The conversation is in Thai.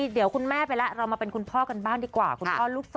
เดี๋ยวคุณแม่ไปแล้วเรามาเป็นคุณพ่อกันบ้างดีกว่าคุณพ่อลูก๒